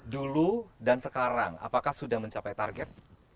dulu dan sekarang apakah sudah mencapai target